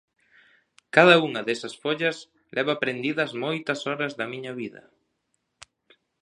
Cada unha desas follas leva prendidas moitas horas da miña vida.